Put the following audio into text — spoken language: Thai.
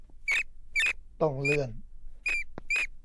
ต้องเลื่อน